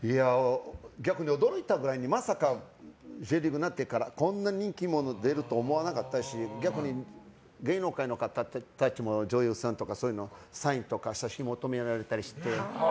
逆に驚いたぐらいでまさかＪリーグになってからこんな人気が出ると思わなかったし逆に芸能界の方たちも女優さんたちとかそういう人がサインとか写真を求められたりして。